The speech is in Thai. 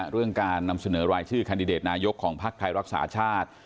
เรื่องการนำเสนอรายชื่อแคนดิเดตนายกของภักดิ์ไทยรักษาชาติ